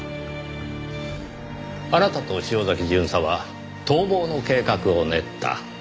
あなたと潮崎巡査は逃亡の計画を練った。